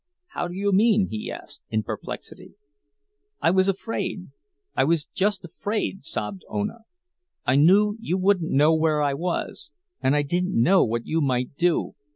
"How do you mean?" he asked, in perplexity. "I was afraid—I was just afraid!" sobbed Ona. "I knew you wouldn't know where I was, and I didn't know what you might do.